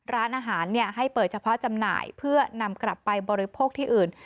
ร้านอาหารให้เปิดเฉพาะจำหน่ายเพื่อนำกลับไปบริโภคที่อื่น